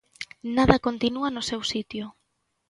Nada continúa no seu sitio.